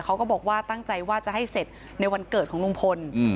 เขาก็บอกว่าตั้งใจว่าจะให้เสร็จในวันเกิดของลุงพล